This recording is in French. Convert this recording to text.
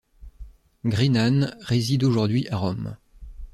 Greenan réside aujourd'hui à Rome.